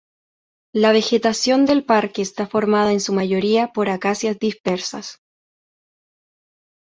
La vegetación del parque está formada en su mayoría por acacias dispersas.